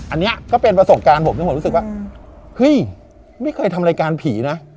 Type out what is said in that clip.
อันนี้ก็เป็นประสบการณ์ผมที่ผมรู้สึกว่าเฮ้ยไม่เคยทำรายการผีนะ